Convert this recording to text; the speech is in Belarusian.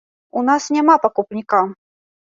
У нас няма пакупніка!